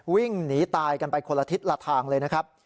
วิ่งหนีตายกันไปคนละทิศละทางเลยนะครับ